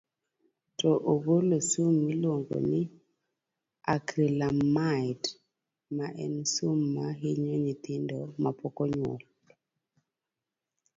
to ogolo sum miluongo ni Acrylamide, ma en sum ma hinyo nyithindo mapok onyuol.